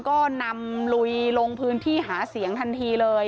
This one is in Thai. ก็นำลุยลงพื้นที่หาเสียงทันทีเลย